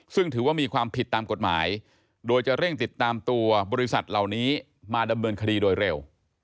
ซึ่งถือว่ามีความผิดตามกฎหมายโดยจะเร่งติดตามตัวบริษัทเหล่านี้มาดำเนินคดีโดยเร็ว